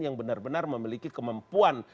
yang benar benar memiliki kemampuan